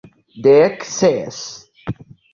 Dek ses!